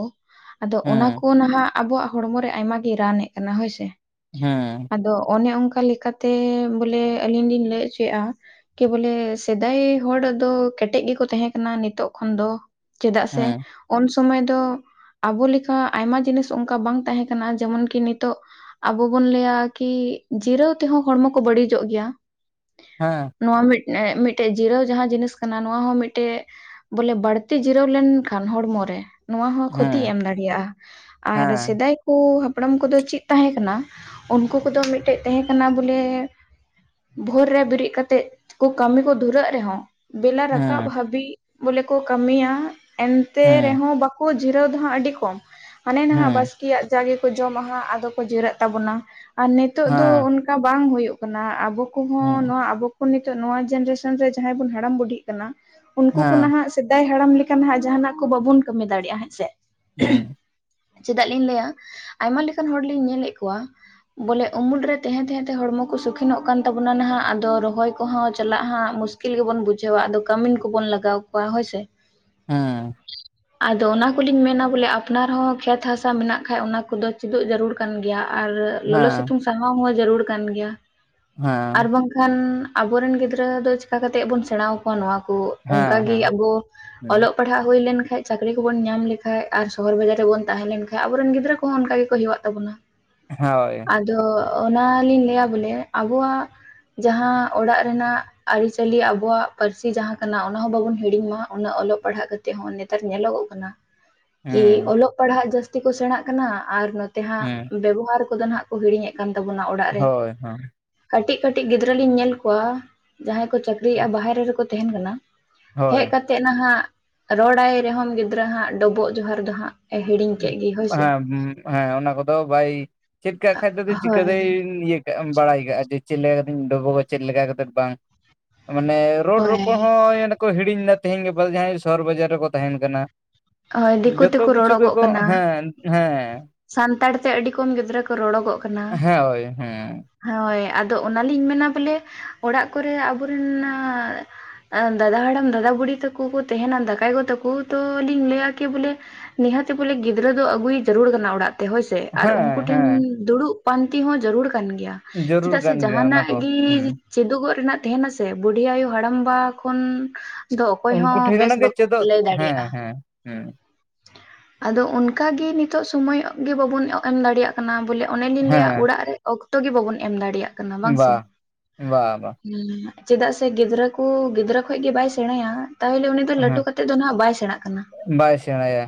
ᱟᱫᱚ ᱚᱱᱟ ᱦᱮᱸ ᱠᱚ ᱱᱟᱦᱟᱜ ᱟᱵᱚᱣᱟᱜ ᱦᱚᱲᱢᱚᱨᱮ ᱟᱭᱢᱟ ᱜᱮ ᱨᱟᱱ ᱮᱜ ᱠᱟᱱᱟ ᱦᱳᱭ ᱥᱮ᱾ ᱦᱮᱸ᱾ ᱟᱫᱚ ᱚᱱᱮ ᱚᱝᱠᱟ ᱞᱮᱠᱟᱛᱮ ᱵᱚᱞᱮ, ᱟᱹᱞᱤᱧ ᱞᱤᱧ ᱞᱟᱹᱭ ᱦᱚᱪᱚᱭᱮᱜᱼᱟ, ᱠᱤ ᱵᱚᱞᱮ ᱥᱮᱫᱟᱭ ᱦᱚᱲ ᱫᱚ ᱠᱮᱴᱮᱜ ᱜᱮᱠᱚ ᱛᱟᱦᱮᱸ ᱠᱟᱱᱟ ᱱᱤᱛᱚᱜ ᱠᱷᱚᱱ ᱫᱚ᱾ ᱪᱮᱫᱟᱜ ᱥᱮ, ᱦᱮᱸ ᱚᱱᱥᱚᱢᱚᱭ ᱫᱚ ᱟᱵᱚ ᱞᱮᱠᱟ ᱟᱭᱢᱟ ᱡᱤᱱᱤᱥ ᱚᱝᱠᱟ ᱵᱟᱝ ᱛᱟᱦᱮᱸ ᱠᱟᱱᱟ ᱡᱮᱢᱚᱱ ᱠᱤ ᱱᱤᱛᱚᱜ ᱟᱵᱚ ᱵᱚᱱ ᱞᱟᱹᱭᱟ ᱠᱤ ᱡᱤᱨᱟᱹᱣ ᱛᱮᱦᱚᱸ ᱦᱚᱲᱢᱚ ᱠᱚ ᱵᱟᱹᱲᱤᱡᱚᱜ ᱜᱮᱭᱟ, ᱦᱮᱸ ᱱᱚᱣᱟ ᱢᱤᱫ ᱮᱸ ᱢᱤᱫᱴᱮᱡ ᱡᱤᱨᱟᱹᱣ ᱡᱟᱦᱟᱸ ᱡᱤᱱᱤᱥ ᱠᱟᱱᱟ ᱱᱚᱣᱟ ᱦᱚᱸ ᱢᱤᱫᱴᱮᱜ ᱵᱚᱞᱮ ᱵᱟᱹᱲᱛᱤ ᱡᱤᱨᱟᱹᱣ ᱞᱮᱱᱠᱷᱟᱱ ᱦᱚᱲᱢᱚᱨᱮ, ᱱᱚᱣᱟ ᱦᱚᱸ ᱦᱮᱸ ᱠᱷᱚᱛᱤᱭ ᱦᱮᱸ ᱮᱢ ᱫᱟ ᱲᱮᱭᱟᱜ-ᱟ, ᱟᱨ ᱦᱮᱸ ᱥᱮᱫᱟᱭ ᱠᱚ ᱦᱟᱯᱲᱟᱢ ᱠᱚᱫᱚ ᱪᱮᱫ ᱛᱟᱦᱮᱸ ᱠᱟᱱᱟ, ᱩᱱᱠᱩ ᱠᱚᱫᱚ ᱢᱤᱫᱴᱮᱡ ᱛᱟᱦᱮᱸ ᱠᱟᱱᱟ ᱵᱚᱞᱮ ᱵᱷᱳᱨ ᱨᱮ ᱵᱤᱨᱤᱫ ᱠᱟᱛᱮᱜ ᱠᱚ ᱠᱟᱹᱢᱤ ᱠᱚ ᱫᱷᱩᱨᱟᱹᱜ ᱨᱮᱦᱚᱸ ᱵᱮᱞᱟ ᱦᱮᱸ ᱨᱟᱠᱟᱵ ᱦᱮᱸ ᱦᱟᱵᱤᱡ ᱵᱚᱞᱮ ᱠᱚ ᱠᱟᱹᱢᱤᱭᱟ, ᱮᱱᱛᱮ ᱦᱮᱸ ᱦᱮᱸ ᱦᱮᱸ ᱨᱮᱦᱚᱸ ᱵᱟ ᱡᱤᱨᱟᱹᱣ ᱫᱚ ᱦᱟᱸᱜ ᱟᱹᱰᱤ ᱠᱚᱢ, ᱦᱟᱱᱮ ᱱᱟᱦᱟᱜ ᱦᱮᱸ ᱵᱟᱥᱠᱮᱭᱟᱜ ᱡᱟ ᱜᱮᱠᱚ ᱡᱚᱢᱟ ᱦᱟᱸᱜ ᱟᱫᱚ ᱠᱚ ᱡᱤᱨᱟᱹᱜ ᱛᱟᱵᱚᱱᱟ᱾ ᱟᱨ ᱱᱤᱛᱚᱜ ᱫᱚ ᱦᱮᱸ ᱚᱱᱠᱟ ᱵᱟᱝ ᱦᱩᱭᱩᱜ ᱠᱟᱱᱟ᱾ ᱟᱵᱚ ᱠᱚᱦᱚᱸ ᱱᱚᱣᱟ ᱟᱵᱚ <unintelligible> ᱱᱤᱛᱚᱜ ᱱᱚᱣᱟ ᱡᱮᱱᱨᱮᱥᱟᱱ ᱨᱮ ᱡᱟᱦᱟᱸᱭ ᱵᱚᱱ ᱦᱟᱲᱟᱢ ᱵᱩᱰᱦᱤᱜ ᱠᱟᱱᱟ, ᱩᱱᱠᱩ ᱠᱚ ᱱᱟᱦᱟᱜ ᱥᱮᱫᱟᱭ ᱦᱟᱲᱟᱢ ᱞᱮᱠᱟ ᱱᱟᱦᱟᱜ ᱡᱟᱦᱟᱸᱱᱟᱜ ᱠᱚ ᱵᱟᱵᱚᱱ ᱠᱟᱹᱢᱤ ᱫᱟᱲᱮᱭᱟᱜᱼᱟ ᱦᱮᱸᱪᱮ? ᱦᱮᱸ ᱦᱮᱸ ᱪᱮᱫᱟᱜ ᱞᱤᱧ ᱞᱟᱹᱭᱟ ᱟᱭᱢᱟ ᱞᱮᱠᱟᱱ ᱦᱚᱲ ᱞᱤᱧ ᱧᱮᱞᱮᱜ ᱠᱚᱣᱟ, ᱵᱚᱞᱮ ᱩᱢᱩᱞ ᱨᱮ ᱛᱟᱦᱮᱸ ᱛᱟᱦᱮᱸ ᱛᱮ ᱦᱚᱲᱢᱚ ᱠᱚ ᱥᱩᱠᱷᱤᱱᱚᱜ ᱠᱟᱱ ᱛᱟᱵᱚᱱᱟ ᱱᱟᱦᱟᱜ, ᱟᱫᱚ ᱨᱚᱦᱚᱭ ᱠᱚᱦᱚᱸ ᱪᱟᱞᱟᱜ ᱦᱟᱸᱜ ᱢᱩᱥ ᱠᱤᱞ ᱜᱮᱵᱚᱱ ᱵᱩᱡᱷᱟᱹᱣᱟ, ᱟᱫᱚ ᱠᱟᱹᱢᱤᱱ ᱠᱚᱵᱚᱱ ᱞᱟᱜᱟᱣ ᱠᱚᱣᱟ ᱦᱳᱭ ᱥᱮ᱾ ᱦᱮᱸ᱾ ᱟᱫᱚ ᱚᱱᱟ ᱠᱚᱞᱤᱧ ᱢᱮᱱᱟ ᱵᱚᱞᱮ ᱟᱯᱱᱟᱨ ᱦᱚᱸ ᱠᱷᱮᱛ ᱦᱟᱥᱟ ᱢᱮᱱᱟᱜ ᱠᱷᱟᱡ ᱚᱱᱟ ᱠᱚᱫᱚ ᱪᱮᱫᱚᱜ ᱡᱟᱹᱨᱩᱲ ᱠᱟᱱ ᱜᱮᱭᱟ ᱟᱨ ᱞᱚᱞᱚ ᱥᱤᱛᱩᱝ ᱥᱟᱦᱟᱣ ᱦᱚᱸ ᱡᱟᱹᱨᱩᱲ ᱠᱟᱱ ᱜᱮᱭᱟ᱾ ᱟᱨ ᱦᱮᱸ ᱵᱟᱝ ᱠᱷᱟᱱ ᱟᱵᱚ ᱨᱮᱱ ᱜᱤᱫᱽᱨᱟᱹ ᱫᱚ ᱪᱤᱠᱟ ᱠᱟᱛᱮᱫ ᱵᱚᱱ ᱥᱮᱬᱟᱣ ᱟᱠᱚ ᱱᱚᱣᱟ ᱠᱩ ᱚᱝᱠᱟᱜᱮ ᱟᱵᱚ ᱦᱮᱸ ᱚᱞᱚᱜ ᱯᱟᱲᱦᱟᱜ ᱦᱩᱭ ᱞᱮᱱᱠᱷᱟᱡ ᱪᱟᱹᱠᱨᱤ ᱠᱚᱵᱚᱱ ᱧᱟᱢ ᱞᱮ ᱠᱷᱟᱡ ᱟᱨ ᱥᱚᱦᱚᱨ ᱵᱟᱡᱟᱨ ᱨᱮᱵᱚᱱ ᱛᱟᱦᱮᱸ ᱞᱮᱱᱠᱷᱟᱡ ᱟᱵᱚᱨᱮᱱ ᱜᱤᱫᱽᱨᱟᱹ ᱠᱚᱦᱚᱸ ᱚᱝᱠᱟ ᱜᱮᱠᱚ ᱦᱮᱣᱟᱜ ᱛᱟᱵᱚᱱᱟ᱾ ᱦᱳᱭ᱾ ᱟᱫᱚ ᱚᱱᱟᱞᱤᱧ ᱞᱟᱹᱭᱟ ᱵᱚᱞᱮ, ᱟᱵᱚᱣᱟᱜ ᱡᱟᱦᱟᱸ ᱚᱲᱟᱜ ᱨᱮᱱᱟᱜ ᱟᱹᱨᱤᱪᱟᱹᱞᱤ ᱟᱵᱚᱣᱟᱜ ᱯᱟᱹᱨᱥᱤ ᱡᱟᱦᱟᱸ ᱠᱟᱱᱟ ᱚᱱᱟ ᱦᱚᱸ ᱵᱟᱵᱚᱱ ᱦᱤᱲᱤᱧ ᱢᱟ, ᱩᱱᱟᱹᱜ ᱚᱞᱚᱜ ᱯᱟᱲᱦᱟᱜ ᱠᱟ ᱛᱮ ᱦᱚᱸ ᱱᱮᱛᱟᱨ ᱧᱮᱞᱚᱜᱚᱜ ᱠᱟᱱᱟ ᱠᱤ ᱦᱮᱸ ᱚᱞᱚᱜ ᱯᱟᱲᱦᱟᱜ ᱡᱟᱹᱥᱛᱤ ᱠᱚ ᱥᱮᱬᱟᱜ ᱠᱟᱱᱟ ᱟᱨ ᱱᱚᱛᱮ ᱦᱟᱸᱜ ᱦᱮᱸ ᱵᱮᱵᱚᱦᱟᱨ ᱠᱚᱫᱚ ᱱᱟᱦᱟᱜ ᱠᱚ ᱦᱤᱲᱤᱧᱮᱜ ᱠᱟᱱ ᱛᱟᱵᱚᱱᱟ, ᱚᱲᱟᱜ ᱨᱮ ᱦᱳᱭ ᱦᱮᱸ ᱠᱟᱹᱴᱤᱡ ᱠᱟᱹᱴᱤᱡ ᱜᱤᱫᱽᱨᱟᱹ ᱞᱤᱧ ᱧᱮᱞ ᱠᱚᱣᱟ, ᱡᱟᱦᱟᱸᱭ ᱠᱚ ᱪᱟᱹᱠᱨᱤᱭᱟ ᱵᱟᱦᱮᱨᱮ ᱨᱮᱠᱚ ᱛᱟᱦᱮᱱ ᱠᱟᱱᱟ, ᱦᱳᱭ ᱦᱮᱜ ᱦᱮᱸ ᱠᱟᱛᱮᱫ ᱱᱟᱦᱟᱜ, ᱨᱚᱲᱟᱭ ᱨᱮᱦᱚᱸᱢ ᱜᱤᱫᱽᱨᱟᱹ ᱦᱟᱸᱜ ᱰᱚᱵᱚᱜ ᱡᱚᱦᱟᱨ ᱫᱚ ᱦᱟᱸᱜ ᱮ ᱦᱤᱲᱤᱧ ᱦᱩᱸ, ᱠᱮᱫ ᱜᱮ ᱦᱳᱭ ᱥᱮ ᱵᱟᱝᱟ ᱚᱱᱟ ᱠᱚᱫᱚ ᱵᱟᱭ ᱪᱮᱫ ᱠᱟᱜ ᱠᱷᱟᱡ ᱫᱚ ᱡᱚᱫᱤ ᱦᱳᱭ ᱪᱤᱠᱟᱹᱛᱮᱭ ᱤᱭᱟᱹ ᱠᱟᱜ ᱟᱢ ᱵᱟᱲᱟᱭ ᱠᱟᱜᱼᱟ ᱡᱮ ᱪᱮᱫ ᱞᱮᱠᱟ ᱠᱟᱛᱮᱧ ᱰᱚᱵᱚᱜᱼᱟ, ᱪᱮᱫ ᱞᱮᱠᱟ ᱠᱟᱛᱮᱜ ᱵᱟᱝ᱾ ᱢᱟᱱᱮ ᱨᱚᱲ ᱦᱳᱭ ᱨᱚᱯᱚᱲ ᱦᱚᱸᱻ ᱮᱱ ᱫᱚᱠᱚ ᱦᱤᱲᱤᱧ ᱫᱟ ᱛᱮᱦᱤᱧ ᱜᱟᱯᱟ ᱡᱟᱦᱟᱸᱭ ᱥᱚᱦᱚᱨ ᱵᱟᱡᱟᱨ ᱨᱮᱠᱚ ᱛᱟᱦᱮᱸᱱ ᱠᱟᱱᱟ᱾ ᱛᱚ ᱦᱳᱭ ᱫᱤᱠᱩ ᱛᱮᱠᱚ ᱨᱚᱲᱚᱜ ᱠᱚᱜ, ᱦᱮᱸ ᱦᱮᱸ, ᱥᱟᱱᱛᱟᱲ ᱛᱮ ᱟᱹᱰᱤ ᱠᱚᱢ ᱜᱤᱫᱽᱨᱟᱹ ᱠᱚ ᱨᱚᱲᱚᱜᱚᱜ ᱠᱟᱱᱟ᱾ ᱦᱮᱸ ᱳᱭ ᱦᱮᱸ ᱦᱳᱭ ᱟᱫᱚ ᱚᱱᱟᱞᱤᱧ ᱢᱮᱱᱟ ᱵᱚᱞᱮ ᱚᱲᱟᱜ ᱠᱚᱨᱮ ᱟᱵᱚᱨᱮᱱ ᱟᱸᱻ ᱫᱟᱫᱟ ᱦᱟᱲᱟᱢ, ᱫᱟᱫᱟ ᱵᱩᱦᱤ ᱛᱟᱠᱚ ᱠᱚ ᱛᱟᱦᱮᱸᱱᱟ ᱫᱟᱠᱟᱭ ᱜᱚ ᱛᱟᱠᱚ ᱛᱚ ᱞᱤᱧ ᱞᱟᱹᱭᱟ ᱠᱤ ᱵᱚᱞᱮ ᱱᱤᱦᱟᱹᱛᱤ ᱵᱚᱞᱮ ᱜᱤᱫᱽᱨᱟᱹ ᱫᱚ ᱟᱹᱜᱩᱭ ᱡᱟᱹᱨᱩᱲᱟ <unintelligible> ᱵᱚᱱᱟ ᱚᱲᱟᱜ ᱛᱮ ᱦᱳᱭ ᱥᱮ, ᱟᱨ ᱩᱱᱠᱩ ᱦᱮᱸ ᱴᱷᱮᱱ ᱦᱮᱸ ᱫᱩᱲᱩᱵ ᱯᱟᱱᱛᱮ ᱦᱚᱸ ᱡᱟᱹᱨᱩᱲ ᱠᱟᱱ ᱜᱮᱭᱟ᱾ ᱡᱟᱹᱨᱩᱲ ᱪᱤᱫᱟᱜ ᱥᱮ ᱠᱟᱱ ᱜᱮᱭᱟ ᱚᱱᱟ ᱡᱟᱦᱟᱸᱱᱟᱜ ᱠᱚ ᱜᱤ ᱦᱩᱸ ᱪᱮᱫᱚᱜᱚᱜ ᱨᱮᱱᱟᱜ ᱛᱮᱦᱮᱸᱱᱟ ᱥᱮ ᱵᱩᱰᱷᱤ ᱟᱭᱩ, ᱦᱟᱲᱟᱢ ᱵᱟ ᱠᱷᱚᱱᱼᱼ ᱫᱚ ᱚᱠᱚᱭ ᱦᱚᱸ ᱩᱱᱠᱩ ᱴᱷᱮᱱ ᱵᱮᱥ ᱠᱷᱚᱱᱟᱜ ᱜᱮ ᱵᱟᱠᱚ ᱪᱮᱫᱚᱜ ᱞᱟᱹᱭ ᱦᱮᱸ ᱫᱟᱲᱮᱭᱟᱜ-ᱟ᱾ ᱦᱮᱸ ᱦᱩᱸ᱾ ᱟᱫᱚ ᱚᱱᱠᱟ ᱜᱮ ᱱᱤᱛᱚᱜ ᱥᱳᱢᱳᱭ ᱚᱜ ᱜᱮ ᱵᱟᱵᱩᱱ ᱚ ᱮᱢ ᱫᱟᱲᱮᱭᱟᱜᱼᱼ ᱠᱟᱱᱟ ᱵᱚᱞᱮ, ᱚᱱᱮ ᱞᱤᱧ ᱞᱟᱹᱭᱟ ᱦᱮᱸ ᱚᱲᱟᱜ ᱨᱮ ᱚᱠᱛᱚ ᱜᱮ ᱵᱟᱵᱚᱱ ᱮᱢ ᱫᱟᱲᱮᱭᱟᱜ ᱠᱟᱱᱟ, ᱵᱟᱝ ᱵᱟ ᱥᱮ? ᱵᱟ ᱵᱟ <inaudible> ᱪᱮᱫᱟᱜ ᱥᱮ ᱜᱤᱫᱽᱨᱟᱹ ᱠᱩ ᱜᱤᱫᱽᱨᱟᱹ ᱠᱷᱚᱡ ᱜᱮ ᱵᱟᱭ ᱥᱮᱬᱟᱭᱟ ᱛᱟᱦᱚᱞᱮ ᱩᱱᱤ ᱛᱚ ᱞᱟᱹᱴᱩ ᱦᱮᱸ ᱠᱟᱛᱮᱜ ᱫᱚ ᱱᱟᱦᱟᱜ ᱵᱟᱭ ᱥᱮᱬᱟᱜ ᱠᱟᱱᱟ᱾ ᱵᱟᱭ ᱥᱮᱬᱟᱭᱟ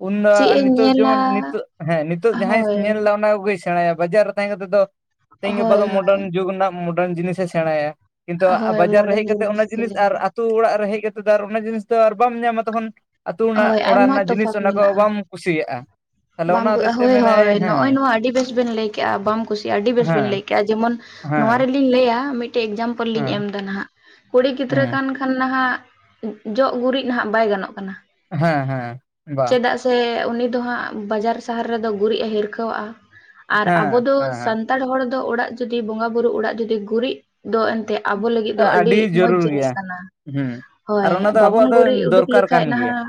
ᱩᱱᱫᱚ ᱪᱮᱫ ᱟ ᱮ ᱱᱤᱛᱚᱜ ᱧᱮᱞᱟ ᱡᱮᱢᱚᱱ ᱱᱤᱛᱚᱜ ᱦᱮᱸ ᱱᱤᱛᱚᱜ ᱡᱟᱦᱟᱸᱭ ᱦᱳᱭ ᱧᱮᱞ ᱫᱟ ᱚᱱᱟ ᱠᱚᱜᱮᱭ ᱥᱮᱬᱟᱭᱟ ᱵᱟᱡᱟᱨᱼᱼ ᱛᱟᱦᱮᱸ ᱠᱟᱛᱮᱜ ᱫᱚ ᱛᱮᱦᱤᱧ ᱜᱟᱯᱟ ᱦᱳᱭ ᱫᱚ ᱢᱚᱰᱟᱨᱱ ᱡᱩᱜᱽ ᱨᱮᱱᱟᱜ ᱢᱚᱰᱟᱨᱱ ᱡᱤᱱᱤᱥᱮ ᱥᱮᱬᱟᱭᱟ᱾ ᱠᱤᱱᱛᱩ ᱦᱳᱭ ‌ᱟ ᱦᱳᱭ ᱵᱟᱡᱟᱨ ᱨᱮ ᱢᱚᱰᱟᱨᱱ ᱦᱮᱡ ᱠᱟᱛᱮᱜ ᱚᱱᱟ ᱡᱮᱱᱟᱨᱮᱥᱚᱱ ᱡᱤᱱᱤᱥ ᱟᱨ ᱟᱛᱩ ᱚᱲᱟᱜ ᱨᱮ ᱦᱮᱡ ᱠᱟᱛᱮᱜ ᱫᱚ ᱚᱱᱟ ᱡᱤᱱᱤᱥ ᱫᱚ ᱟᱨ ᱵᱟᱢ ᱧᱟᱢᱟ ᱛᱚᱠᱷᱚᱱᱼᱼ ᱟᱛᱩ ᱚᱱᱟ ᱦᱳᱭ ᱚᱲᱟᱜ ᱟᱭᱢᱟ ᱨᱮᱱᱟᱜ ᱡᱤᱱᱤᱥ ᱛᱚᱯᱷᱟᱛ ᱚᱱᱟ ᱠᱚ ᱢᱮᱱᱟᱜᱼᱟ ᱵᱟᱢ ᱠᱩᱥᱤᱭᱟᱜ-ᱟ᱾ ᱵᱟᱢ ᱠᱩ ᱦᱳᱭ ᱦᱚᱭ ᱱᱚᱜ-ᱚᱭ ᱱᱚᱣᱟ ᱟᱹᱰᱤ ᱵᱮᱥ ᱵᱮᱱ ᱞᱟᱹᱭ ᱠᱮᱜ-ᱟ ᱵᱟᱢ ᱠᱩᱥᱤᱭᱟᱜ-ᱟ ᱟᱹᱰᱤ ᱵᱮᱥ ᱵᱮᱱ ᱦᱮᱸ ᱞᱟᱹᱭ ᱠᱮᱜ-ᱟ ᱡᱮᱢᱚᱱᱼᱼ ᱦᱮᱸ ᱞᱤᱧ ᱞᱟᱹᱭᱟ ᱢᱤᱫᱴᱮᱡ ᱮᱠᱡᱟᱢᱯᱚᱞ ᱞᱤᱧ ᱦᱮᱸ ᱮᱢ ᱫᱟ ᱱᱟᱦᱟᱸᱜ ᱠᱩᱲᱤ ᱜᱤᱫᱽᱨᱟᱹ ᱦᱮᱸ ᱠᱟᱱ ᱠᱷᱟᱼᱼ ᱠᱷᱟᱱ ᱱᱟᱦᱟᱸᱜ ᱡᱚᱜ ᱜᱩᱨᱤᱡ ᱱᱟᱦᱟᱸᱜ ᱵᱟᱭ ᱜᱟᱱᱚᱜ ᱠᱟᱱᱟ᱾ ᱦᱮᱸ ᱦᱮᱸ ᱵᱟ ᱛᱮ ᱩᱱᱤ ᱫᱚ ᱦᱟᱸᱜ ᱵᱟᱡᱟᱨ ᱥᱟᱦᱟᱨ ᱨᱮᱫᱚ ᱜᱩᱨᱤᱡᱼ ᱮ ᱦᱤᱨᱠᱷᱟᱹ ᱣᱟᱜ-ᱟ ᱟᱨ ᱟᱵᱚ ᱦᱮᱸ ᱫᱚ ᱦᱮᱸ ᱥᱟᱱᱼᱼᱼ ᱛᱟᱲ ᱦᱚᱲ ᱫᱚ ᱚᱲᱟᱜ ᱡᱩᱫᱤ ᱵᱚᱸᱜᱟ ᱵᱩᱨᱩ ᱚᱲᱟᱜ ᱡᱩᱫᱤ ᱜᱩᱨᱤᱡ ᱫᱚ ᱮᱱᱛᱮᱜᱼᱼ ᱟᱵᱚ ᱞᱟᱹᱜᱤᱫ ᱫᱚ ᱦᱮᱸ ᱟᱹᱰᱤ ᱢᱚᱡᱽ ᱡᱟᱹᱨᱩᱲ ᱡᱤᱱᱤᱥ ᱜᱮᱭᱟ ᱠᱟᱱᱟ᱾ ᱦᱩᱸ ᱟᱨ ᱦᱚᱭ ᱚᱱᱟ ᱫᱚ ᱵᱟᱵᱚᱱ ᱟᱵᱚᱣᱟᱜ ᱫᱚ ᱜᱩᱨᱤᱡ ᱩᱰᱩᱠ ᱫᱚᱨᱠᱟᱨ ᱠᱟᱱ ᱞᱮᱠᱷᱟᱡ ᱜᱮᱭᱟ ᱱᱟᱦᱟᱸᱜ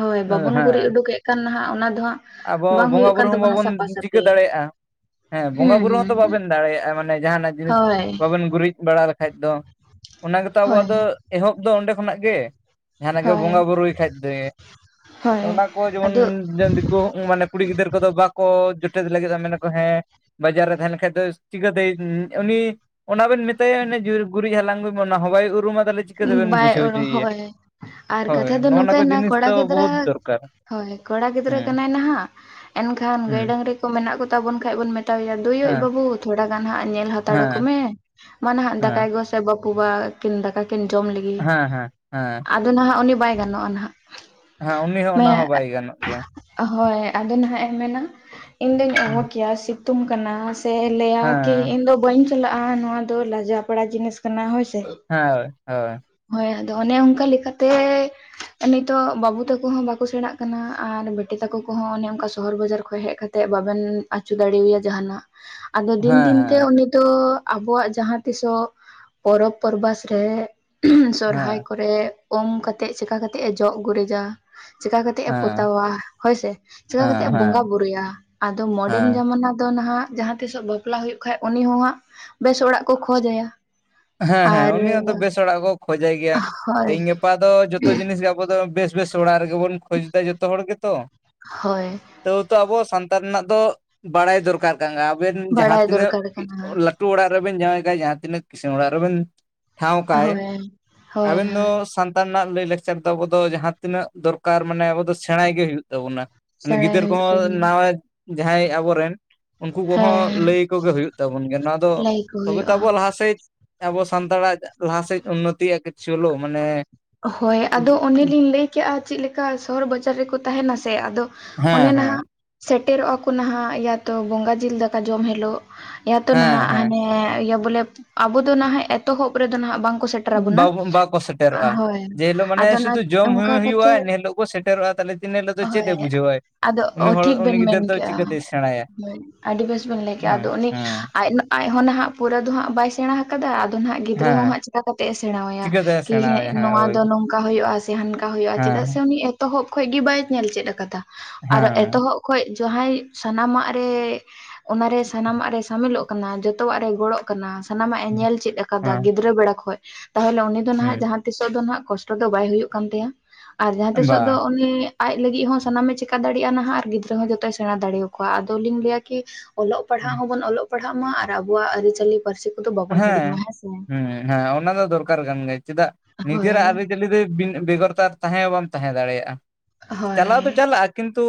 ᱦᱚᱭ ᱵᱟᱵᱚᱱ ᱜᱩᱨᱤᱡ ᱦᱮᱸ ᱩᱰᱩᱠᱮᱜᱼᱼ ᱠᱷᱟᱱ ᱱᱟᱦᱸᱟᱜ ᱚᱱᱟ ᱫᱚ ᱦᱟᱸᱜᱼᱼ ᱟᱵᱚ ᱵᱚᱸᱜᱟ ᱵᱩᱨᱩ ᱦᱚᱸ ᱵᱟᱵᱚᱱ ᱪᱤᱠᱟᱹ ᱫᱟᱲᱮᱭᱟᱜ-ᱟ᱾ ᱦᱮᱸ ᱵᱚᱸᱜᱟ ᱦᱩᱸ ᱵᱩᱨᱩ ᱦᱩᱸ ᱦᱚᱸᱛᱚ ᱵᱟᱵᱮᱱ ᱫᱟᱲᱮᱭᱟᱜ-ᱟ ᱢᱟᱱᱮ ᱡᱟᱦᱟᱸ ᱱᱟᱜ ᱡᱤᱱᱤᱥ ᱦᱳᱭ ᱵᱟᱵᱮᱱ ᱜᱩᱨᱤᱡ ᱵᱟᱲᱟ ᱞᱮᱠᱼᱼ ᱠᱷᱟᱡ ᱫᱚ ᱚᱱᱟ ᱜᱮᱛᱚ ᱟᱵᱚᱣᱟᱜ ᱦᱳᱭ ᱫᱚ ᱮᱦᱚᱵ ᱫᱚ ᱚᱸᱰᱮ ᱠᱷᱚᱱᱟᱜ ᱜᱮ᱾ ᱡᱟᱦᱟᱸ ᱱᱟᱜ ᱜᱮ ᱦᱳᱭ ᱵᱚᱸᱜᱟ ᱵᱩᱨᱩᱭ ᱠᱷᱟᱡ ᱛᱮ ᱦᱳᱭ ᱚᱱᱟ ᱠᱚ ᱡᱮᱢᱚᱱ ᱟᱫᱚ ᱫᱤᱠ ᱠᱚ ᱢᱟᱱᱮ ᱠᱩᱲᱤ ᱜᱤᱫᱟᱹᱨ ᱠᱚᱫᱚ ᱵᱟᱠᱚ ᱡᱚᱴᱮᱫ ᱞᱟᱹᱜᱤᱫᱚᱜ- ᱟ ᱢᱮᱱᱟ ᱠᱚ ᱦᱮᱸ ᱵᱟᱡᱟᱨ ᱨᱮ ᱛᱟᱦᱮᱸ ᱞᱮᱱᱠᱷᱟᱡ ᱫᱚ ᱪᱤᱠᱟᱹ ᱛᱮ ᱩᱸ ᱩᱱᱤ ᱚᱱᱟ ᱵᱮᱱ ᱢᱮᱛᱟᱭᱟ ᱚᱱᱮᱡ ᱼᱼ ᱡᱩᱨ ᱜᱩᱨᱤᱡ ᱦᱟᱞᱟᱝ ᱜᱩᱭ ᱢᱮ ᱚᱱᱟ ᱦᱚᱭ ᱩᱨᱩᱢᱟ ᱛᱟᱦᱚᱞᱮ ᱪᱤᱠᱟᱹ ᱩᱸ ᱛᱮᱵᱮᱱ ᱵᱟᱭ ᱵᱩᱡᱷᱟᱹᱣ ᱳᱨᱳ ᱦᱚᱪᱚᱭᱮᱭᱟ ᱦᱳᱭ ᱟᱨ ᱦᱳᱭ ᱠᱟᱛᱷᱟ ᱫᱚ ᱱᱚᱜᱼᱚ ᱱᱚᱝᱠᱟᱭ ᱠᱚ ᱱᱟ ᱡᱤᱱᱤᱥ ᱠᱚᱲᱟ ᱫᱚ ᱜᱤᱫᱽᱨᱟᱹᱼᱼ ᱵᱚᱦᱩᱛ ᱫᱚᱨᱠᱟᱨ ᱦᱚᱭ ᱠᱚᱲᱟ ᱜᱤᱫᱽᱨᱟᱹ ᱦᱮᱸ ᱠᱟᱱᱟᱭ ᱱᱟᱦᱟᱸᱜ ᱮᱱᱠᱷᱟᱱ ᱜᱟᱹᱭ ᱦᱮᱸ ᱰᱟᱹᱝᱨᱤ ᱠᱚ ᱢᱮᱱᱟᱜ ᱠᱚᱛᱟ ᱵᱚᱱ ᱠᱷᱟᱡ ᱵᱚᱱ ᱢᱮᱛᱟᱣ ᱟᱭᱟ ᱫᱳᱭᱳᱡ ᱦᱮᱸ ᱵᱟᱹᱵᱩ ᱛᱷᱚᱲᱟ ᱜᱟᱱ ᱦᱟᱸᱜ ᱧᱮᱞ ᱦᱟᱛᱟᱲᱟ ᱠᱚ ᱦᱮᱸ ᱢᱮ ᱢᱟ ᱱᱟᱦᱟᱸᱜ ᱫᱟᱠᱟᱭ ᱦᱮᱸ ᱜᱚᱥᱼᱼ ᱥᱮ ᱵᱟᱹᱯᱩ ᱵᱟ ᱠᱤᱱ ᱫᱟᱠᱟ ᱠᱤᱱ ᱡᱚᱢ ᱞᱮᱜᱮ ᱦᱮᱸ ᱦᱮᱸ ᱦᱮᱸ ᱟᱫᱚ ᱱᱟᱦᱟᱸᱜ ᱩᱱᱤ ᱵᱟᱭ ᱜᱟᱱᱚᱜ-ᱟ ᱱᱟᱦᱟᱸᱜ᱾ ᱦᱮᱸ ᱩᱱᱤ ᱦᱚᱸ ᱚᱱᱟ ᱦᱚᱸ ᱵᱟᱭ ᱜᱟᱱᱚᱜ ᱜᱮᱭᱟ᱾ ᱦᱚᱭ ᱟᱫᱚ ᱱᱟᱦᱟᱸᱜ ᱮ ᱢᱮᱱᱟ ᱤᱧ ᱫᱩᱧ ᱚᱦᱚ ᱦᱮᱸ ᱠᱮᱭᱟ ᱥᱤᱛᱩᱝ ᱠᱟᱱᱟ ᱥᱮ ᱛᱮ ᱞᱟᱹᱭᱟ ᱠᱤ ᱦᱮᱸ ᱤᱧ ᱫᱚ ᱵᱟᱹᱧ ᱪᱟᱞᱟᱜ-ᱟ ᱱᱚᱣᱟ ᱫᱚ ᱞᱟᱡᱟᱣ ᱯᱟᱲᱟ ᱡᱤᱱᱤᱥ ᱠᱟᱱᱟ ᱦᱚᱭ ᱥᱮ᱾ ᱦᱮᱜ ᱦᱳᱭ ᱦᱳᱭ ᱟᱫᱚ ᱚᱱᱮ ᱚᱱᱠᱟ ᱞᱮᱠᱟ ᱛᱮᱜ ᱮᱱᱤᱛᱳᱜ ᱵᱟᱵᱩ ᱛᱟᱠᱚ ᱦᱚᱸ ᱵᱟᱠᱚ ᱥᱮᱬᱟᱜ ᱠᱟᱱᱟ ᱟᱨ ᱵᱤᱴᱤ ᱛᱟᱠᱚ ᱠᱚᱦᱚᱸ ᱚᱱᱮ ᱚᱱᱠᱟ ᱥᱚᱦᱚᱨ ᱵᱟᱡᱟᱨ ᱠᱷᱚᱡ ᱦᱮᱡ ᱠᱟᱛᱼᱼ ᱛᱮᱜ ᱵᱟᱵᱮᱱ ᱟᱪᱩ ᱫᱟᱲᱮ ᱣᱟᱭᱟ ᱡᱟᱦᱟᱸᱱᱟᱜ᱾ ᱟᱫᱚ ᱦᱮᱸ ᱫᱤᱱ ᱫᱤᱱ ᱛᱮ ᱦᱮᱸ ᱩᱱᱤ ᱫᱚᱚ ᱟᱵᱚᱣᱟᱜ ᱡᱟᱦᱟᱸ ᱛᱤᱥᱚᱜ ᱯᱚᱨᱚᱵᱽ ᱯᱚᱨᱵᱟᱥ ᱨᱮᱼᱼ ᱩᱸᱦᱜ ᱥᱚᱨᱦᱟᱭ ᱦᱮᱸ ᱠᱚᱨᱮ ᱚᱢ ᱠᱟᱛᱮᱜ ᱪᱮᱠᱟ ᱠᱟᱛᱮᱜ ᱮ ᱡᱚᱜ ᱜᱩᱨᱤᱡᱟ᱾ ᱪᱮᱠᱟ ᱠᱟᱛᱮᱜ ᱮ ᱦᱮᱸ ᱯᱚᱛᱟᱣᱟ ᱦᱳᱭ ᱥᱮ᱾ ᱪᱮᱠᱟ ᱠᱟᱛᱮᱜ ᱦᱮᱸ ᱮ ᱵᱚᱸᱜᱟ ᱦᱮᱸ ᱵᱩᱨᱩᱭᱟ ᱟᱫᱚ ᱢᱚᱰᱮᱱ ᱦᱮᱸ ᱡᱟᱢᱟᱱᱟ ᱫᱚ ᱱᱟᱦᱟᱸᱜᱼᱼ ᱡᱟᱦᱟᱸ ᱛᱤᱥᱚᱜ ᱵᱟᱯᱞᱟ ᱦᱩᱭᱩᱜ ᱠᱷᱟᱡ ᱩᱱᱤ ᱦᱚᱸ ᱦᱟᱸᱜ ᱵᱮᱥ ᱚᱲᱟᱜ ᱠᱚ ᱠᱷᱚᱡᱟᱭᱟ᱾ ᱦᱮᱸ ᱦᱮᱸ ᱟᱨ ᱩᱱᱤ ᱦᱚᱸ ᱟᱫᱚ ᱵᱮᱥ ᱚᱲᱟᱜ ᱠᱚ ᱠᱷᱚᱡᱟᱭ ᱜᱮᱭᱟ ᱦᱳᱭ ᱛᱮᱦᱤᱧ ᱜᱟᱯᱟ ᱫᱚ ᱡᱚᱛᱚ ᱡᱤᱱᱤᱥ ᱜᱮ ᱟᱵᱼᱼ ᱵᱚ ᱫᱚ ᱵᱮᱥ ᱵᱮᱥ ᱚᱲᱟᱜ ᱨᱮᱜᱮ ᱵᱚᱱ ᱠᱷᱚᱡᱽ ᱫᱟ ᱡᱚᱛᱚ ᱦᱚᱲ ᱜᱮᱛᱚ᱾ ᱦᱳᱭ ᱛᱟᱹᱣ ᱛᱚ ᱟᱵᱚ ᱥᱟᱱᱛᱟᱲ ᱨᱮᱱᱟᱜ ᱫᱚ ᱵᱟᱲᱟᱭ ᱫᱚᱨᱠᱟᱨ ᱠᱟᱱ ᱜᱟ ᱟᱵᱮᱱ ᱡᱟᱦᱟᱸ ᱵᱟᱲᱟᱭ ᱛᱤᱱᱟᱹᱜ ᱫᱚᱨᱠᱟᱨ ᱠᱟᱱᱟ ᱩ ᱸ ᱞᱟᱠᱼᱼ ᱴᱩ ᱚᱲᱟᱜ ᱨᱮᱵᱮᱱ ᱡᱟᱸᱶᱟᱭ ᱠᱟᱭ ᱡᱟᱦᱟᱸ ᱛᱤᱱᱟᱹᱜ ᱠᱤᱥᱟᱹᱬ ᱚᱲᱟᱜ ᱨᱮᱵᱮᱱ ᱴᱷᱟᱶ ᱠᱟᱭᱼᱼ ᱦᱳᱭ ᱦᱳᱭ ᱟᱵᱮᱱ ᱫᱚ ᱦᱳᱭ ᱥᱟᱱᱼᱼ ᱛᱟᱱ ᱨᱮᱱᱟᱜ ᱞᱟᱹᱭᱼᱞᱟᱠᱪᱟᱨ ᱫᱚ ᱟᱵᱚ ᱫᱚ ᱡᱟᱦᱟᱸ ᱛᱤᱱᱟᱹᱜ ᱫᱚᱨᱠᱟᱨ ᱢᱟᱱᱮ ᱟᱵᱚ ᱫᱚ ᱥᱮᱸᱬᱟᱭ ᱜᱮ ᱦᱩᱭᱩᱜ ᱛᱟᱵᱚᱱᱟ ᱥᱮᱬᱟᱭ ᱜᱤᱫᱟᱹᱨ ᱦᱩᱭᱩᱜ ᱠᱚᱦᱚᱸ ᱛᱟᱵᱚᱱᱟ ᱱᱟᱦᱚᱭ ᱡᱟᱸᱦᱟᱸᱭ ᱟᱵᱚᱨᱮᱱᱼᱼ ᱩᱱᱠᱩ ᱠᱚᱦᱚᱸ ᱦᱮᱸ ᱞᱟᱹᱭ ᱟᱠᱚ ᱜᱮ ᱦᱩᱭᱩᱜ ᱛᱟᱵᱚᱱ ᱜᱮᱭᱟ ᱱᱚᱣᱟ ᱫᱚ ᱞᱟᱹᱭ ᱠᱚ ᱛᱚᱵᱮ ᱛᱚ ᱦᱩᱭᱩᱜᱼᱟ ᱟᱵᱚᱣᱟᱜ ᱞᱟᱦᱟᱟᱥᱮᱫ ᱟᱵᱚ ᱥᱟᱱᱛᱟᱲᱟᱜ ᱞᱟᱦᱟᱟᱥᱮᱡᱽ ᱩᱱᱱᱚᱛᱤᱜᱼᱟ ᱠᱤᱪᱩ ᱦᱩᱞᱳ ᱢᱟᱱᱮᱼᱼ ᱦᱳᱭ ᱟᱫᱚ ᱚᱱᱮᱞᱤᱧ ᱞᱟᱹᱭᱠᱮᱜᱼᱟ ᱪᱮᱫᱠᱟ ᱥᱚᱦᱚᱨ ᱵᱟᱡᱟᱨ ᱨᱮᱠᱚ ᱛᱟᱦᱮᱱᱟ ᱥᱮ ᱟᱫᱚᱼᱼ ᱚᱱᱮ ᱦᱮᱸ ᱦᱮᱸ ᱱᱟᱦᱟᱜ ᱥᱮᱴᱮᱨᱚᱜᱼᱟ ᱠᱚ ᱱᱟᱦᱟᱜ ᱤᱭᱟ ᱛᱚ ᱵᱚᱸᱜᱟ ᱡᱤᱞ ᱫᱟᱠᱟ ᱡᱚᱢ ᱦᱤᱞᱳᱜ ᱦᱮᱸ ᱛᱚ ᱱᱟᱦᱟᱜ ᱦᱟᱱᱮ ᱤᱭᱟᱹ ᱵᱚᱞᱮ ᱟᱵᱚ ᱫᱚ ᱱᱟᱦᱟᱜ ᱮᱛᱚᱦᱚᱵᱽ ᱨᱮᱫᱚ ᱱᱟᱦᱟᱜ ᱵᱟᱝ ᱠᱚ ᱥᱮᱴᱮᱨᱟ ᱵᱚᱱᱟ ᱵᱟᱠᱚ ᱥᱮᱴᱮᱨᱚᱜᱼᱟ ᱦᱳᱭ ᱡᱮ ᱦᱤᱞᱳᱜ ᱢᱟᱱᱮ ᱟᱫᱚ ᱱᱟ ᱥᱩᱫᱷᱩ ᱡᱚᱢ ᱚᱝᱠᱟ ᱦᱩᱭᱩᱜᱼᱟ ᱠᱟᱛᱮᱜ ᱤᱱᱟᱹ ᱦᱤᱞᱳᱜ ᱠᱚ ᱥᱮᱴᱮᱨᱚᱜᱼᱟ ᱛᱟᱦᱚᱞᱮ ᱛᱤᱱᱟᱹ ᱦᱤᱞᱳᱜ ᱫᱚ ᱪᱮᱫ ᱦᱳᱭ᱾ ᱮ ᱵᱩᱡᱷᱟᱹᱣᱟᱭ ᱟᱫᱚ ᱩᱱᱤ ᱚ ᱦᱚᱲ ᱴᱷᱤᱠ ᱩᱱᱤ ᱵᱮᱱ ᱜᱤᱫᱟᱹᱨ ᱫᱚ ᱢᱮᱱᱠᱮᱜ-ᱟ, ᱪᱤᱠᱟᱹᱛᱮᱭ ᱥᱮᱬᱟᱭᱟ ᱟᱹᱰᱤ ᱵᱮᱥ ᱵᱮᱱ ᱞᱟᱹᱭ ᱠᱮᱜ-ᱟ ᱦᱮᱸ ᱟᱫᱚ ᱩᱱᱤ ᱦᱮᱸ ᱟᱡᱽ ᱢᱟ ᱟᱡᱽ ᱦᱚᱸ ᱱᱟᱦᱟᱜ ᱯᱩᱨᱟᱹ ᱫᱚ ᱦᱟᱸᱜ ᱵᱟᱭ ᱥᱮᱸᱬᱟ ᱠᱟᱫᱟ᱾ ᱟᱫᱚ ᱱᱟᱜ ᱜᱤᱫᱽᱨᱟᱹ ᱦᱮᱸ ᱦᱚᱸ ᱦᱟᱸᱜ ᱪᱤᱠᱟ ᱠᱟᱛᱮᱜ ᱮ ᱥᱮᱸᱬᱟᱣᱟᱭᱟ? ᱪᱤᱠᱟᱹᱛᱮ ᱥᱮᱬᱟᱭᱟ ᱤᱦᱮᱸᱜ ᱦᱮᱸ ᱱᱚᱣᱟ ᱳᱭ ᱫᱚ ᱱᱚᱝᱠᱟ ᱦᱩᱭᱩᱜ-ᱟ ᱥᱮ ᱦᱟᱱᱠᱟ ᱦᱩᱭᱩᱜ-ᱟ ᱦᱮᱸ ᱪᱮᱫᱟᱜ ᱥᱮ ᱩᱱᱤ ᱮᱛᱚᱦᱚᱵ ᱠᱷᱚᱱ ᱜᱮ ᱵᱟᱭ ᱧᱮᱞ ᱪᱮᱫ ᱠᱟᱫᱟ᱾ ᱟᱨ ᱦᱮᱸ ᱮᱛᱚᱦᱚᱵ ᱠᱷᱚᱡ ᱡᱟᱦᱟᱸᱭ ᱥᱟᱱᱟᱢᱟᱜ ᱨᱮ ᱚᱱᱟ ᱨᱮ ᱥᱟᱱᱟᱢᱟᱜ ᱨᱮᱭ ᱥᱟᱹᱢᱤᱞᱚᱜ ᱠᱟᱱᱟ ᱡᱚᱛᱚᱣᱟᱜ ᱨᱮᱭ ᱜᱚᱲᱚᱜ ᱠᱟᱱᱟ ᱥᱟᱱᱟᱢᱟᱜ-ᱮ ᱧᱮᱞ ᱪᱮᱫ ᱠᱟᱫᱟ ᱦᱮᱸ ᱜᱤᱫᱽᱨᱟᱹ ᱵᱮᱲᱟ ᱠᱷᱚᱡ ᱛᱟᱦᱞᱮ ᱩᱱᱤ ᱫᱚ ᱱᱟᱦᱟᱜ ᱡᱟᱦᱟᱸ ᱛᱤᱥᱚᱜ ᱫᱚ ᱱᱟᱜ ᱠᱚᱥᱴᱚ ᱫᱚ ᱵᱟᱭ ᱦᱩᱭᱩᱜ ᱠᱟᱱ ᱛᱟᱭᱟ᱾ ᱟᱨ ᱡᱟᱦᱟᱸ ᱦᱩᱸ ᱛᱤᱥᱚᱜ ᱫᱚ ᱵᱟᱝ ᱩᱱᱤ ᱟᱡ ᱞᱟᱹᱜᱤᱜ ᱦᱚᱸ ᱥᱟᱱᱟᱢᱮ ᱪᱮᱠᱟ ᱫᱟᱲᱮᱭᱟᱜ-ᱟ ᱱᱟᱦᱟᱜ ᱟᱨ ᱜᱤᱫᱽᱨᱟᱹ ᱦᱚᱸ ᱡᱚᱛᱚᱭ ᱥᱮᱸᱬᱟ ᱫᱟᱲᱮᱭᱟ ᱠᱚᱣᱟ ᱟᱫᱚ ᱞᱤᱧ ᱞᱟᱹᱭᱟ ᱠᱤ ᱚᱞᱚᱜ ᱯᱟᱲᱦᱟᱜ ᱦᱮᱸ ᱦᱚᱸᱵᱚᱱ ᱚᱞᱚᱜ ᱯᱟᱲᱦᱟᱜ ᱢᱟ ᱟᱨ ᱟᱵᱚᱣᱟᱜ ᱟᱹᱨᱤᱪᱟᱞᱤ ᱯᱟᱹᱨᱥᱤ ᱠᱚᱫᱚ ᱵᱟᱵᱚᱱ ᱦᱤᱲᱤᱧ ᱦᱮᱸ, ᱢᱟ ᱥᱮ ᱦᱩᱸ, ᱦᱮᱸ ᱚᱱᱟ ᱫᱚ ᱫᱚᱨᱠᱟᱨ ᱠᱟᱱ ᱜᱮᱭᱟ᱾ ᱪᱮᱫᱟᱜ ᱦᱳᱭ ᱱᱤᱡᱮᱨᱟᱜ ᱟᱹᱨᱤᱪᱟᱞᱤ ᱨᱮ ᱵᱤᱱ ᱵᱮᱜᱚᱨ ᱛᱮ ᱟᱨ ᱛᱟᱦᱮᱸ ᱦᱚᱸ ᱵᱟᱢ ᱛᱟᱦᱮᱸ ᱫᱟᱲᱮᱭᱟᱜᱼᱟ᱾ ᱪᱟᱞᱟᱣ ᱦᱳᱭ ᱫᱚ ᱪᱟᱞᱟᱜ-ᱟ ᱠᱤᱱᱛᱩ